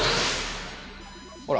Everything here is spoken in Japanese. ほら。